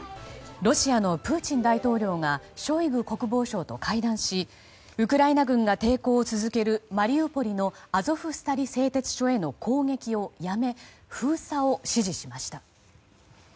ロシアのプーチン大統領がショイグ国防相と会談しウクライナ軍が抵抗を続けるマリウポリのアゾフスタリ製鉄所への攻撃をやめ封鎖を指示しました。